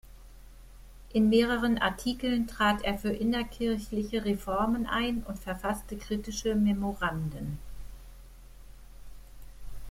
In mehreren Artikeln trat er für innerkirchliche Reformen ein und verfasste kritische Memoranden.